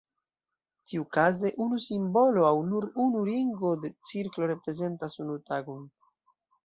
Tiukaze unu simbolo aŭ nur unu ringo de cirklo reprezentas unu tagon.